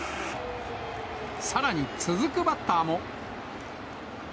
さらに続くバッターも。